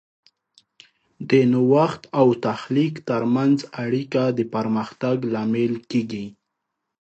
د نوښت او تخلیق ترمنځ اړیکه د پرمختګ لامل کیږي.